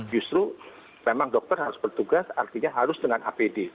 justru memang dokter harus bertugas artinya harus dengan apd